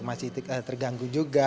masih terganggu juga